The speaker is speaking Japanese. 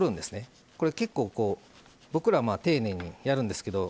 これ結構僕ら丁寧にやるんですけど。